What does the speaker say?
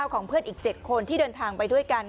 ของเพื่อนอีก๗คนที่เดินทางไปด้วยกัน